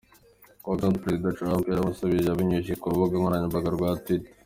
Ku wa gatandatu, Perezida Trump yaramusubije abinyujije ku rubuga nkoranyambaga rwa Twitter.